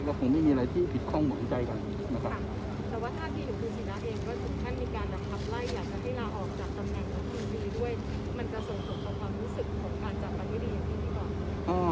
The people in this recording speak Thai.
ก็คงไม่มีอะไรที่ผิดข้องหวังใจกัน